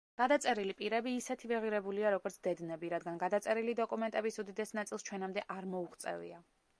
გადაწერილი პირები ისეთივე ღირებულია, როგორც დედნები, რადგან გადაწერილი დოკუმენტების უდიდეს ნაწილს ჩვენამდე არ მოუღწევია.